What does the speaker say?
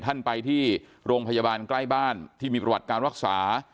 ท่านไปที่โรงพยาบาลใกล้บ้านที่มีประวัติการรักษา